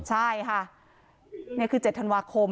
ใช่ค่ะนี่คือ๗ธันวาคม